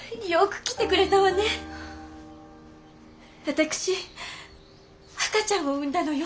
私赤ちゃんを産んだのよ。